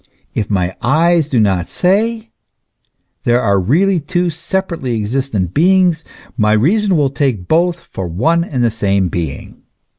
If my eyes do not say there are really two separately existent beings, my reason will take both for one and the same being.